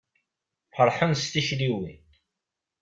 Ferḥen s tikliwin.